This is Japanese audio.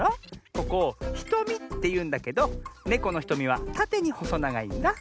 ここ「ひとみ」っていうんだけどネコのひとみはたてにほそながいんだ。